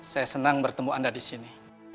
saya senang bertemu anda disini